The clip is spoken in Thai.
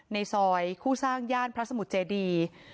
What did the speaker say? ในซอยคู่สร้างย่านพระสมุทรเจดี